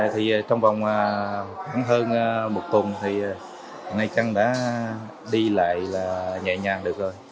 thì trong vòng khoảng hơn một tuần thì hãy chăng đã đi lại là nhẹ nhàng được rồi